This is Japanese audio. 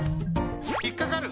ひっかかる！